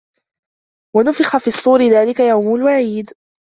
ونفخ في الصور ذلك يوم الوعيد